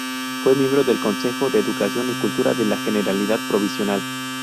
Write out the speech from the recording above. Fue miembro del Consejo de Educación y Cultura de la Generalidad provisional.